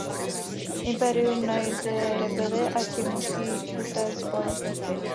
Impérium najde Rebely a ti musí utéct z planety.